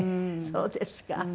そうですか。